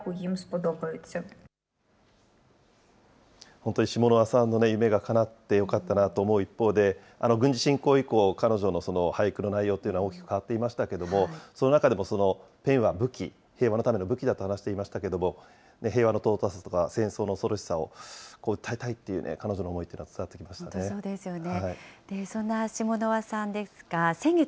本当にシモノワさんの夢がかなってよかったなと思う一方で、軍事侵攻以降、彼女の俳句の内容というのは大きく変わっていましたけれども、その中でもペンは武器、ペンはの武器だと話していましたけれども、平和の尊さとか戦争の恐ろしさをうたいたいという彼女の思いは伝本当そうですよね。